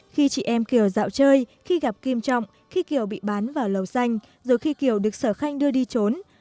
khi chị em kiều dạo chơi khi gặp kim trọng khi kiều bị bán vào lầu xanh rồi khi kiều được sở khanh đưa đi trốn